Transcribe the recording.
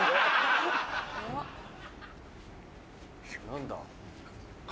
何だ？